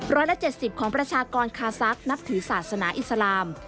ร้อยละ๗๐ของประชากรคาซักนับถือศาสนาอิสลาม